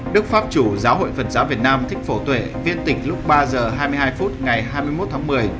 đức pháp chủ giáo hội phật giáo việt nam thích phổ tuệ viên tịch lúc ba h hai mươi hai phút ngày hai mươi một tháng một mươi